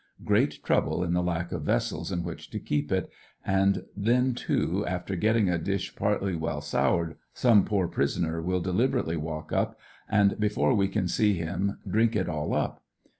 Great trouble in the lack of vessels in which to keep it, and then too, after getting a dish partly well soured, some poor prisoner will deliberately walk up and before we can see him drink it all up.